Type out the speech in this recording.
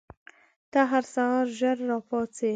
ته هر سهار ژر راپاڅې؟